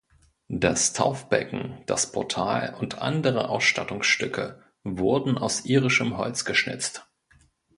Das Taufbecken, das Portal und andere Ausstattungsstücke wurden aus irischem Holz geschnitzt.